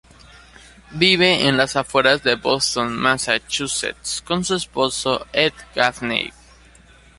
Vive en las afueras de Boston, Massachusetts con su esposo, Ed Gaffney.